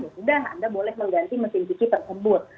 ya sudah anda boleh mengganti mesin cuci tersebut